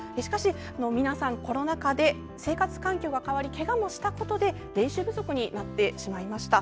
皆さん、コロナ禍で生活環境も変わりけがもしたことで練習不足になってしまいました。